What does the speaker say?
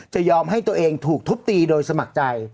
จะยอมให้ตัวเองถูกทุบตีโดยสมัครใจ